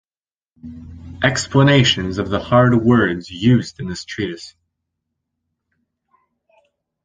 Explanations of the hard Words used in this Treatise.